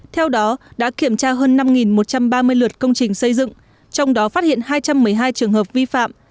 theo đó đã kiểm tra hơn năm một trăm ba mươi lượt công trình xây dựng trong đó phát hiện hai trăm một mươi hai trường hợp vi phạm